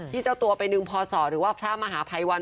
ที่เจ้าตัวเป็นอึงพอศหรือว่าพระมหาภัยวัน